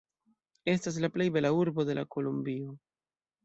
Estas la plej bela urbo de la Kolombio.